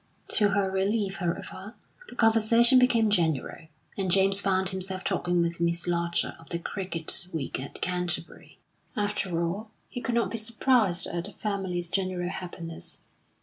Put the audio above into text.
To her relief, however, the conversation became general, and James found himself talking with Miss Larcher of the cricket week at Canterbury. After all, he could not be surprised at the family's general happiness.